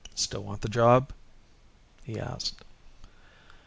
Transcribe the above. "Still want the job?" he asked.